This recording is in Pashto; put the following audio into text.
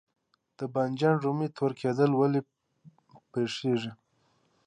د بانجان رومي تور کیدل ولې پیښیږي؟